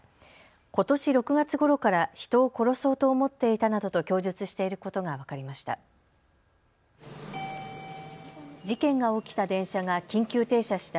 ことし６月ごろから人を殺そうと思っていたなどと供述していることが分かりました。